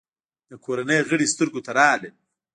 د کورنۍ غړي سترګو ته راغلل.